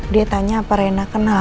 dia tanya apa rena kenal